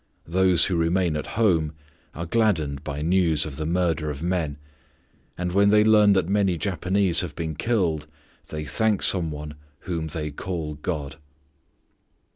Those who remain at home are gladdened by news of the murder of men, and when they learn that many Japanese have been killed they thank some one whom they call God.